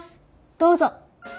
どうぞ。